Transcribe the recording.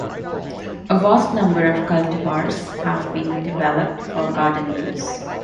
A vast number of cultivars have been developed for garden use.